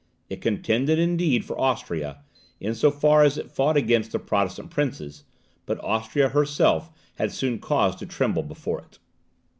It contended, indeed, for Austria, in so far as it fought against the Protestant princes; but Austria herself had soon cause to tremble before it.